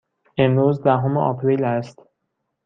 امروز دهم آپریل است.